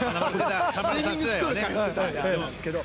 スイミングスクールに行っていただけなんですけど。